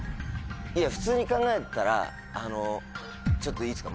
普通に考えたらちょっといいですか？